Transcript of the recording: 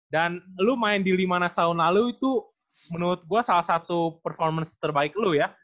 dan lo main di lima nas tahun lalu itu menurut gue salah satu performance terbaik lo ya